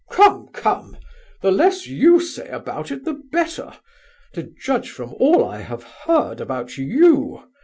"Come, come! the less you say about it the better—to judge from all I have heard about you!"